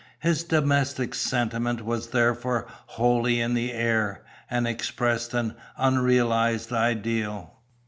His domestic sentiment was therefore wholly in the air, and expressed an unrealised ideal.